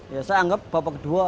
saya anggap bapak kedua